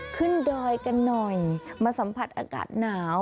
ดอยกันหน่อยมาสัมผัสอากาศหนาว